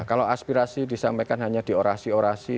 kalau aspirasi disampaikan hanya di orasi orasi